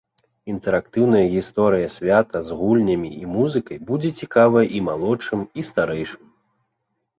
Інтэрактыўная гісторыя свята з гульнямі і музыкай будзе цікавая і малодшым, і старэйшым.